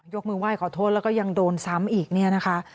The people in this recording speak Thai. ยกมือไหว้ขอโทษแล้วก็ยังโดนซ้ำอีกเนี่ยนะคะ